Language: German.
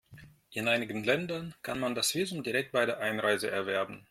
In einigen Ländern kann man das Visum direkt bei der Einreise erwerben.